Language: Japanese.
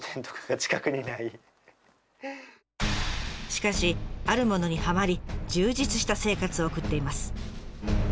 しかしあるものにはまり充実した生活を送っています。